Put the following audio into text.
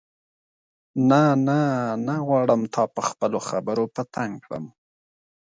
نه نه نه غواړم تا په خپلو خبرو په تنګ کړم.